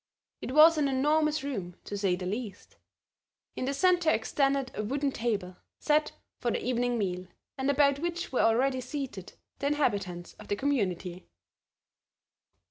It was an enormous room, to say the least; in the centre extended a wooden table set for the evening meal, and about which were already seated the inhabitants of the Community.